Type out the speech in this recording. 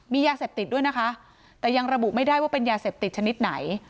มียาเสพติดด้วยนะคะแต่ยังระบุไม่ได้ว่าเป็นยาเสพติดชนิดไหน